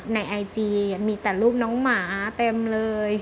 ในไอจีมีแต่รูปน้องหมาเต็มเลย